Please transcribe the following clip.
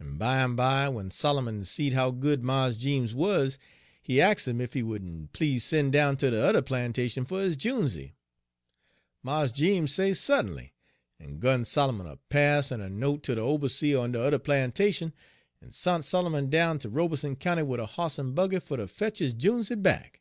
En bimeby, w'en Solomon seed how good Mars Jeems wuz, he ax' 'im ef he would n please sen' down ter de yuther plantation fer his junesey. Mars Jeems say su't'nly, en gun Solomon a pass en a note ter de oberseah on de yuther plantation, en sont Solomon down ter Robeson County wid a hoss en buggy fer ter Page 99 fetch his junesey back.